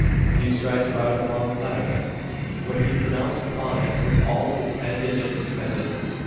A few strides brought him alongside of it; when he pounced upon it with all his ten digits extended.